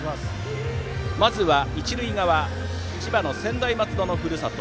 まずは一塁側千葉の専大松戸のふるさと